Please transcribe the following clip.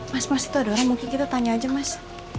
mas mas itu ada orang mungkin kita tanya aja mas